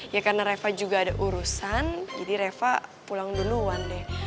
ya karena reva juga ada urusan jadi reva pulang duluan deh